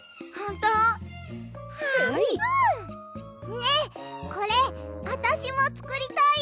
ねえこれあたしもつくりたい！